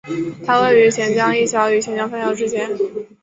它位于钱江一桥与钱江三桥之间。